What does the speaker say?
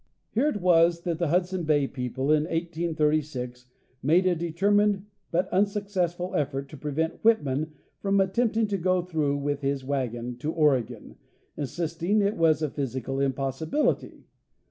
Here it was that the The real Path finder 265 Hudson Bay people in 1836 made a determined but unsuccessful effort to prevent Whitman from attempting to go through with his wagon to Oregon, insisting it was a physical impossibility.